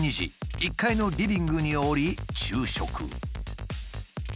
１階のリビングに下り昼食。